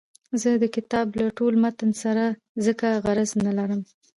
زه د کتاب له ټول متن سره ځکه غرض نه لرم.